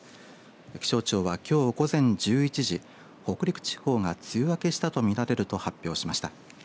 気象庁は、きょう午前１１時北陸地方が梅雨明けしたと見られると発表しました。